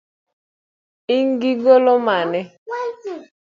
Ingi ng’ol mane?